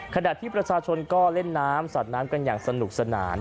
ขณะที่ประชาชนก็เล่นน้ำสัดน้ำกันอย่างสนุกสนาน